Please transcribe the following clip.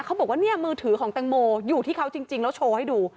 เขาบอกว่าเนี่ยมือถือของแตงโมอยู่ที่เขาจริงแล้วโชว์ให้ดู